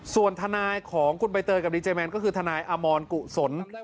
ส่วนทนายของคุณใบเตยน้องลุ๊กกับดิจัยแมนก็คือทนายอามอนกุศล